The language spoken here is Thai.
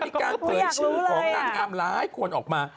มีการเผยชื่อของนางงามหลายคนออกมา